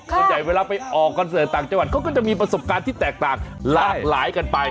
ส่วนใหญ่เวลาไปออกคอนเสิร์ตต่างจังหวัดเขาก็จะมีประสบการณ์ที่แตกต่างหลากหลายกันไป